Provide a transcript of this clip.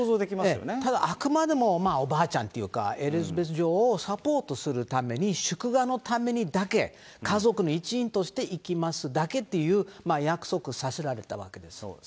ただ、あくまでもおばあちゃんというか、エリザベス女王をサポートするために祝賀のためにだけ、家族の一員として行きますだけっていう約束させられたわけです。